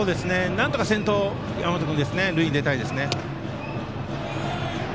なんとか先頭塁に出たいですね。